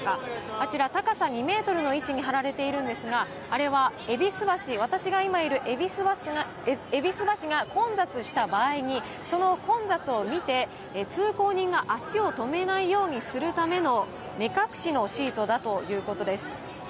あちら高さ２ｍの位置に張られているんですがあれは私が今いる戎橋が混雑した場合にその混雑を見て、通行人が足を止めないようにするための目隠しのシートだということです。